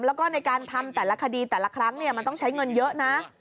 แล้วก็ในการทำแต่ละคดีแต่ละครั้งมันต้องใช้เงินเยอะนะ